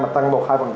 mà tăng một hai